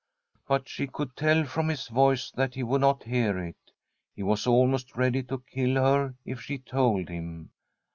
But she could hear from his voice that he would not hear it. He was almost ready to kill her if she told him.